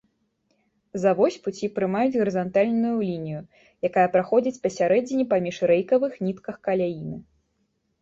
За вось пуці прымаюць гарызантальную лінію, якая праходзіць пасярэдзіне паміж рэйкавых нітках каляіны.